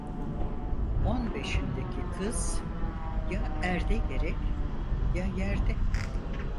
On beşindeki kız, ya erde gerek ya yerde.